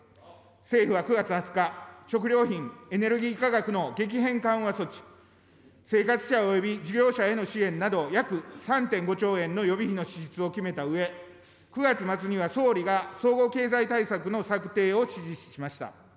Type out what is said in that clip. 政府は９月２０日、食料品・エネルギー価格の激変緩和措置、生活者および事業者への支援など、約３．５兆円の予備費の支出を決めたうえ、９月末には総理が総合経済対策の策定を指示しました。